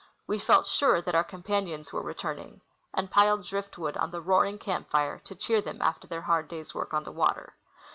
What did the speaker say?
We felt sure that our companions were returning, and piled drift wood on the roaring camp fire to cheer them after their hard day's work on the water.